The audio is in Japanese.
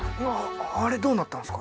あれどうなったんですか？